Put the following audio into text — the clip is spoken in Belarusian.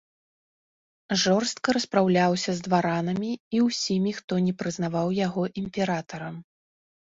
Жорстка распраўляўся з дваранамі і ўсімі, хто не прызнаваў яго імператарам.